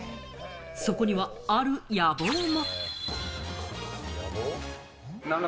そこにはある野望も。